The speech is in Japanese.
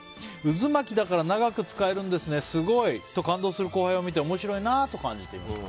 渦巻きだから長く使えるんですねすごい！と感動する後輩を見て面白いなと感じていました。